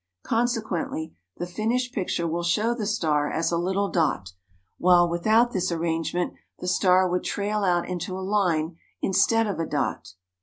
Consequently, the finished picture will show the star as a little dot; while without this arrangement, the star would trail out into a line instead of a dot.